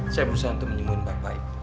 saya berusaha untuk menyembuhin mbak baik